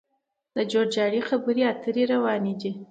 د جوړجاړي خبرې او اترې روانې دي